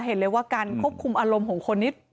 เห็นเลยว่าการควบคุมอารมณ์ของคนนี้